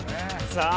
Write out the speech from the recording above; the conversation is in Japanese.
さあ